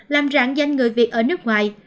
làm rạng danh người việt ở nước ngoài